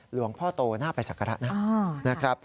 หลวงพ่อโตงน่าไปสระกระนะฮะ